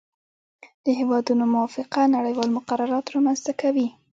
د هیوادونو موافقه نړیوال مقررات رامنځته کوي